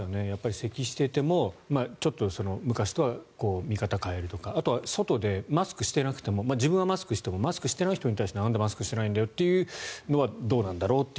せきをしててもちょっと昔とは見方を変えるとかあとは外でマスクをしていなくても自分はマスクをしてもマスクしてない人に対してなんでマスクしてないんだと言うのはどうなんだろうと。